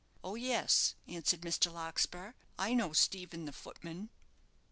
"Oh, yes," answered Mr. Larkspur, "I know Stephen, the footman."